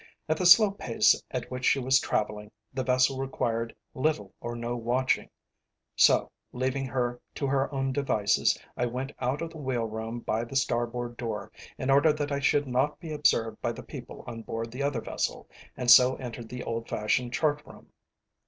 At the slow pace at which she was travelling, the vessel required little or no watching, so, leaving her to her own devices, I went out of the wheel room by the starboard door, in order that I should not be observed by the people on board the other vessel, and so entered the old fashioned chart room.